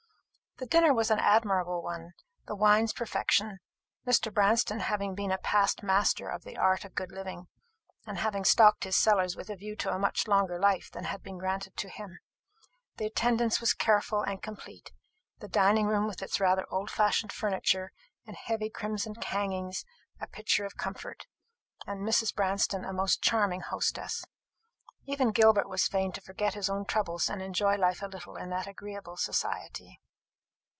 The dinner was an admirable one, the wines perfection, Mr. Branston having been a past master of the art of good living, and having stocked his cellars with a view to a much longer life than had been granted to him; the attendance was careful and complete; the dining room, with its rather old fashioned furniture and heavy crimson hangings, a picture of comfort; and Mrs. Branston a most charming hostess. Even Gilbert was fain to forget his own troubles and enjoy life a little in that agreeable society.